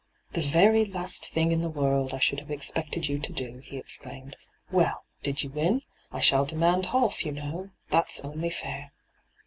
' The very last thing in the world I should have expected you to do 1' he exclaimed. ' Well, did you win ? I shall demand half, you know. That's only fair.'